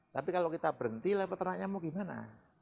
tapi kalau kita berhenti lah peternaknya mau gimana